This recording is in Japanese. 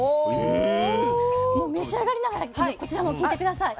召し上がりながらこちらも聞いて下さい。